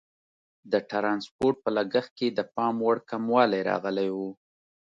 د ټرانسپورټ په لګښت کې د پام وړ کموالی راغلی وو.